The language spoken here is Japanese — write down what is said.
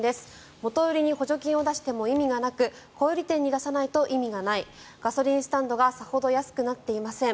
元売りに補助金を出しても意味がなく小売店に出さないと意味がないガソリンスタンドがさほど安くなっていません。